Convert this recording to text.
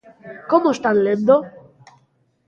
Como están lendo.